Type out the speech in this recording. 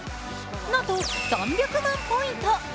なんと３００万ポイント。